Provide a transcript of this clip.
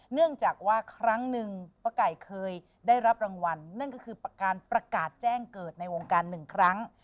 เนื่องจากว่าครั้งหนึ่งป้าไก่เคยได้รับรางวัลนั่นก็คือประการประกาศแจ้งเกิดในวงการหนึ่งครั้ง